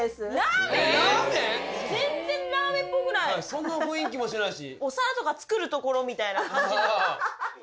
そんな雰囲気もしないし。